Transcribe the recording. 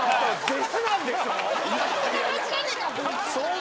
弟子なんでしょ？